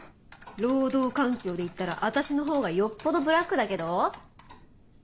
労働環境でいったら私のほうがよっぽどブラックだけど？